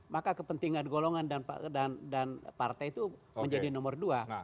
maka kepentingan golongan dan partai itu menjadi nomor dua